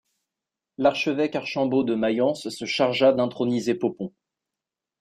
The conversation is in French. L’archevêque Archambaud de Mayence se chargea d'introniser Poppon.